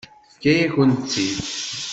Tefka-yakent-tt-id.